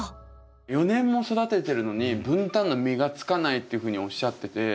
４年も育ててるのにブンタンの実がつかないっていうふうにおっしゃってて